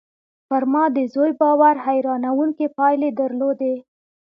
پر ما د زوی باور حيرانوونکې پايلې درلودې